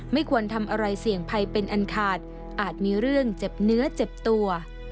ไม่ควรทำอะไรเสี่ยงภัยเป็นอันขาดอาจมีเรื่องเจ็บเนื้อเจ็บตัว